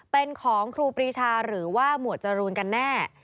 เป็นของครูปรีชาหรือว่าหมวดจรูนกันแน่